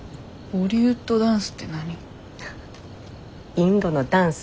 インドのダンス。